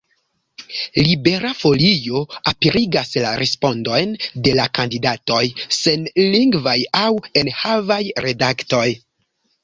Libera Folio aperigas la respondojn de la kandidatoj sen lingvaj aŭ enhavaj redaktoj.